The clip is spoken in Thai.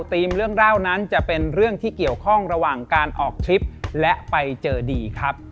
ทีมเรื่องเล่านั้นจะเป็นเรื่องที่เกี่ยวข้องระหว่างการออกทริปและไปเจอดีครับ